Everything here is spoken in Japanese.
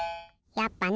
やっぱね！